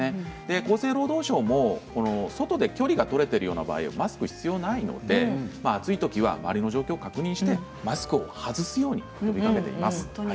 厚生労働省も外で距離が取れている場合はマスクの必要はないので暑いときは周りの状況を確認してマスクを外すようにと呼びかけています。